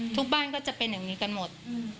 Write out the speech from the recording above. ทุกบ้านก็จะเป็นอย่างนี้กันหมด